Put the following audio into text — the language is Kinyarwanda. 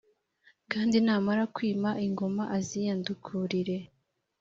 kandi namara kwima ingoma, aziyandukurire